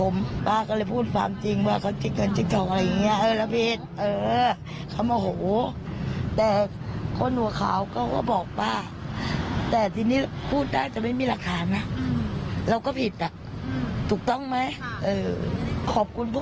มันก็ถึงคืบเพราะตอนแรกอ่ะป้าไม่มีคลิป